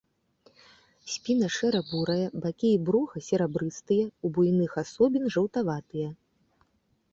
Спіна шэра-бурая, бакі і бруха серабрыстыя, у буйных асобін жаўтаватыя.